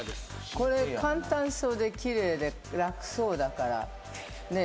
これ簡単そうでキレイで楽そうだからねえ